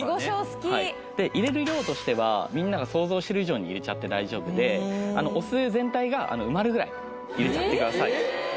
好き入れる量は想像してる以上に入れちゃって大丈夫でお酢全体が埋まるぐらい入れちゃってください